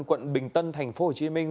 quận bình tân tp hcm vừa có báo cáo nhanh